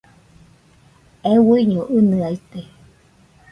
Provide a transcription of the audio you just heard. Euiño ɨnɨaite.